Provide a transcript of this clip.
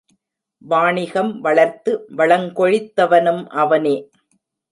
வாணிகம் வளர்த்து வளங்கொழித்தவனும் அவனே.